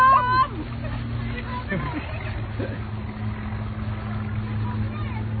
ขอบคุณครับ